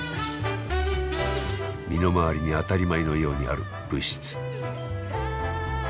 身の回りに当たり前のようにある物質。